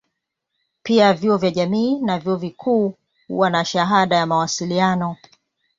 Pia vyuo vya jamii na vyuo vikuu huwa na shahada ya mawasiliano.